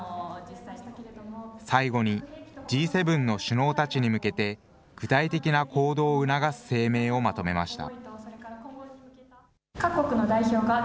最後に、Ｇ７の首脳たちに向けて、具体的な行動を促す声明をまとめました。